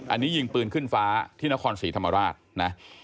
อันนี้ยิงปืนขึ้นฟ้าที่นครศรีธรรมราชนะ